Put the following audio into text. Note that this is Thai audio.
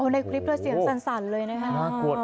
ในคลิปเลยเสียงสัลส่านเลยนะค่ะ